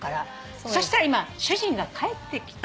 そしたら今主人が帰ってきた。